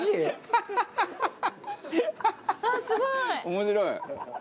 面白い。